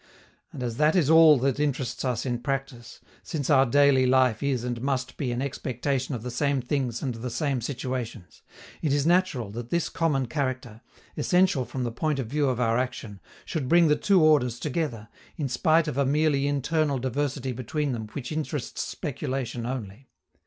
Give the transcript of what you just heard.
And as that is all that interests us in practice, since our daily life is and must be an expectation of the same things and the same situations, it is natural that this common character, essential from the point of view of our action, should bring the two orders together, in spite of a merely internal diversity between them which interests speculation only.